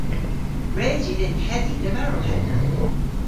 Res yw dhyn hedhi leverel henna.